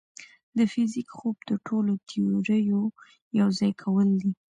د فزیک خوب د ټولو تیوريو یوځای کول دي.